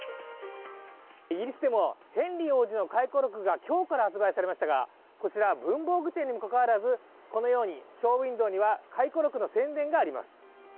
イギリスでもヘンリー王子の回顧録が今日から発売されましたがこちら文房具店にもかかわらず、このようにショーウインドーには回顧録の宣伝があります。